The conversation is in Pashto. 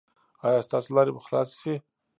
ایا ستاسو لارې به خلاصې شي؟